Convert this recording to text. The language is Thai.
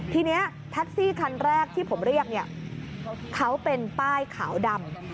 ทีนี้แท็กซี่คันแรกที่ผมเรียกเนี่ยเขาเป็นป้ายขาวดำ